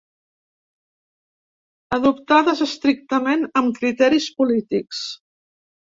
Adoptades estrictament amb criteris polítics.